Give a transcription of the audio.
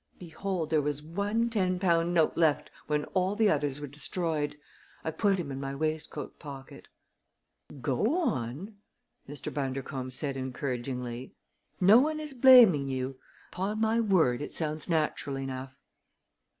Behold! There was one ten pound note left when all the others were destroyed. I put him in my waistcoat pocket." "Go on!" Mr. Bundercombe said encouragingly. "No one is blaming you. Upon my word, it sounds natural enough."